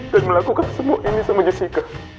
dan melakukan semua ini sama jessica